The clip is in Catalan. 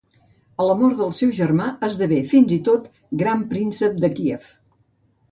A la mort del seu germà esdevé fins i tot Gran príncep de Kíev.